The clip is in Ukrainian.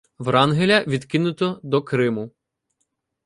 Врангеля відкинуто до Криму.